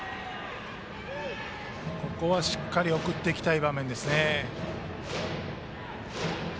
ここはしっかり送っていきたい場面です。